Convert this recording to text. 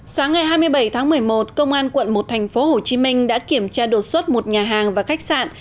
sáng ngày hai mươi bảy tháng một mươi một công an quận một thành phố hồ chí minh đã kiểm tra đột xuất một nhà hàng và khách sạn